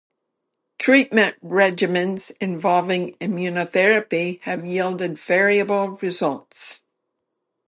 Treatment regimens involving immunotherapy have yielded variable results.